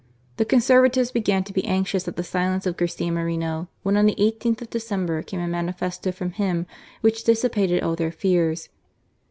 The Conservatives began to be anxious at the silence of Garcia Moreno, when on the i8th of December came a manifesto from him which dissi pated all their fears.